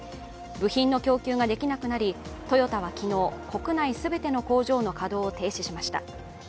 部品の供給ができなくなりトヨタは昨日、国内全ての工場の稼働を停止しました。